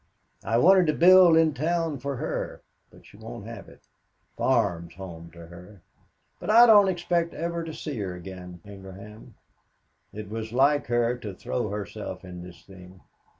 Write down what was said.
I wanted to build in town for her but she won't have it. Farm's home to her. But I don't expect ever to see her again, Ingraham. "It was like her to throw herself in this thing.